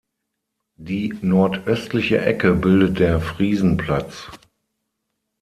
Die nordöstliche Ecke bildet der Friesenplatz.